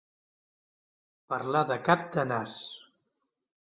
Parlar de cap de nas.